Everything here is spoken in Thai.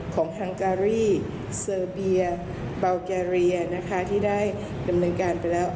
ของฮังการี่ศิลปีย์ปาลเกรียนะคะที่ได้ดำเนินการไปแล้ว